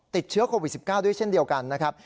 ติดเชื้อโควิด๑๙ด้วยเช่นเดียวกันนะครับ